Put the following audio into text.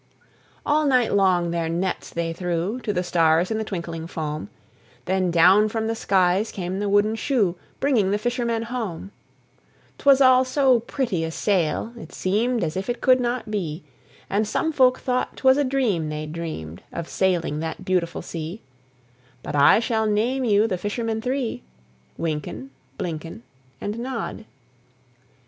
All night long their nets they threw To the stars in the twinkling foam, Then down from the skies came the wooden shoe, Bringing the fishermen home: 'Twas all so pretty a sail, it seemed As if it could not be; And some folk thought 'twas a dream they'd dreamed Of sailing that beautiful sea; But I shall name you the fishermen three: Wynken, Blynken, And Nod.